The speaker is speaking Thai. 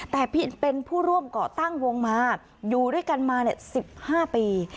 แต่เป็นผู้ร่วมเกาะตั้งวงมาอยู่ด้วยกันมา๑๕ปี